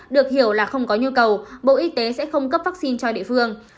được hiểu là không có nhu cầu bộ y tế sẽ không cấp vaccine cho địa phương